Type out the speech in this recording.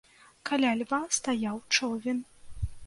Каля льва стаяў човен.